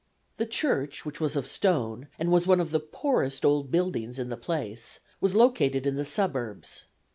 The church, which was of stone, and was one of the poorest old buildings in the place, was located in the suburbs.